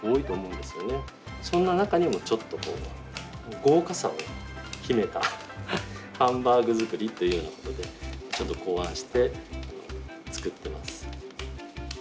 そんな中にもちょっとこう豪華さを秘めたハンバーグ作りというようなことでちょっと考案して作ってます。